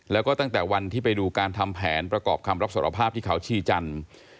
แล้วก็ตั้งแต่วันที่ไปดูการทำแผนประกอบคำรับสารภาพที่เขาชีจันทร์